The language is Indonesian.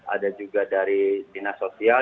ada juga dari dinas sosial